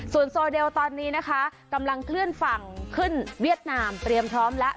ส่วนโซเดลตอนนี้นะคะกำลังเคลื่อนฝั่งขึ้นเวียดนามเตรียมพร้อมแล้ว